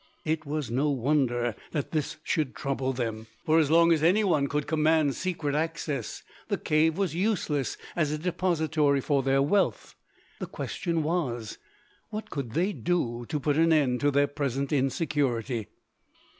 It was no wonder that this should trouble them, for so long as any one could command secret access, the cave was useless as a depository for their wealth. The question was, What could they do to put an end to their present insecurity?